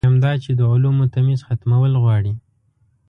دویم دا چې د علومو تمیز ختمول غواړي.